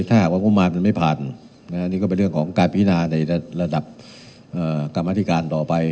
ถ้าหากว่างบมารมันไม่ผ่านนี่ก็เป็นเรื่องของการพินาในระดับกรรมธิการต่อไป